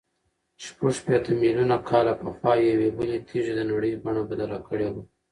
شپږ شپېته میلیونه کاله پخوا یوې بلې تېږې د نړۍ بڼه بدله کړې وه.